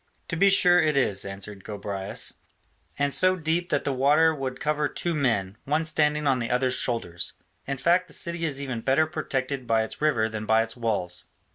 "To be sure it is," answered Gobryas, "and so deep that the water would cover two men, one standing on the other's shoulders; in fact the city is even better protected by its river than by its walls."